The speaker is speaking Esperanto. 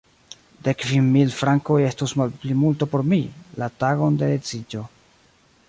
Dek kvin mil frankoj estus malmulto por mi, la tagon de l' edziĝo.